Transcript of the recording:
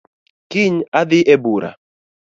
Kiny adhi e bura